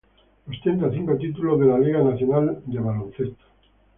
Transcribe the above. Ostenta cinco títulos de la Liga Nacional de Básquet.